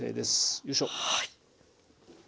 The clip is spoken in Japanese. よいしょ。